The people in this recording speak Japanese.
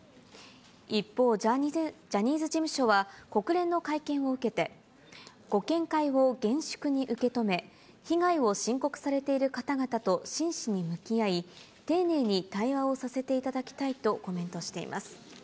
一方、ジャニーズ事務所は国連の会見を受けて、ご見解を厳粛に受け止め、被害を申告されている方々と真摯に向き合い、丁寧に対話をさせていただきたいとコメントしています。